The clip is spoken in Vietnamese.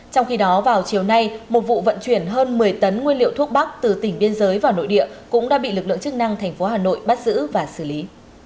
trong khi đó vào chiều nay một vụ vận chuyển hơn một mươi tấn nguyên liệu thuốc bắc từ tỉnh biên giới vào nội địa cũng đã bị lực lượng chức năng thành phố hà nội bắt giữ và xử lý